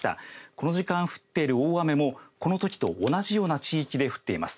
この時間、降っている大雨もこの時と同じような地域で降っています。